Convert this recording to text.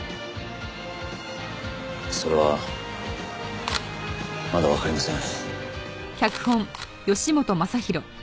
それはまだわかりません。